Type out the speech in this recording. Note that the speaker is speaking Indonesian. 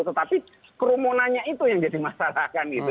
tetapi kerumunannya itu yang jadi masalah kan gitu